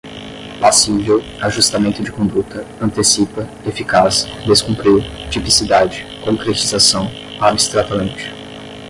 passível, ajustamento de conduta, antecipa, eficaz, descumprir, tipicidade, concretização, abstratamente